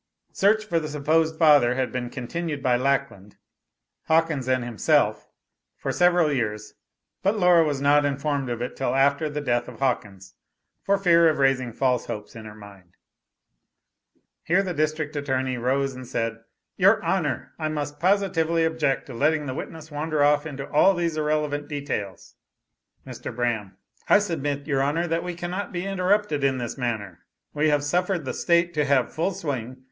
Search for the supposed father had been continued by Lackland, Hawkins and himself for several years, but Laura was not informed of it till after the death of Hawkins, for fear of raising false hopes in her mind. Here the District Attorney arose and said, "Your Honor, I must positively object to letting the witness wander off into all these irrelevant details." Mr. Braham. "I submit your honor, that we cannot be interrupted in this manner. We have suffered the state to have full swing.